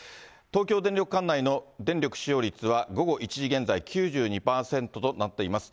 東京電力管内の電力使用率は、午後１時現在、９２％となっています。